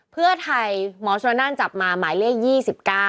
เพื่อไทยหมอชนนั่นจับมาหมายเลข๒๙